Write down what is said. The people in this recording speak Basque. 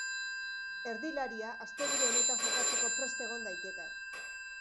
Erdilaria, asteburu honetan jokatzeko prest egon daiteke.